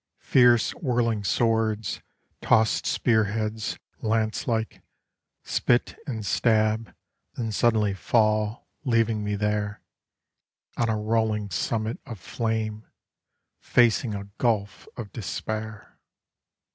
Fierce whirling swords, Tossed spear heads lancelike Spit and stab, then suddenly fall Leaving me there On a rolling summit of flame, facing a gulf of despair.